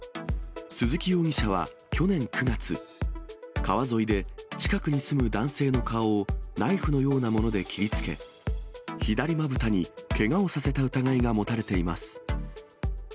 鈴木容疑者は去年９月、川沿いで近くに住む男性の顔をナイフのようなもので切りつけ、左まぶたにけがをさせた疑いが持たれています。